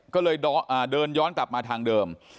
ก็เลยเดินย้อนกลับมาทางเดิม